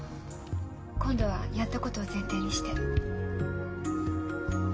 今度はやったことを前提にして。